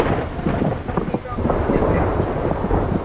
今彰化县北斗镇。